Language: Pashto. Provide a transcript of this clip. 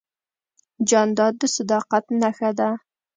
جانداد د صداقت نښه ده.